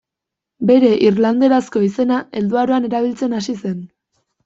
Bere irlanderazko izena helduaroan erabiltzen hasi zen.